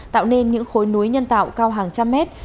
tạo nên những khối núi nhân tạo cao hàng trăm mét